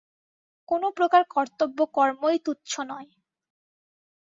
কোন প্রকার কর্তব্য কর্মই তুচ্ছ নয়।